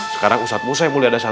sekarang ustazmu saya mulia dasar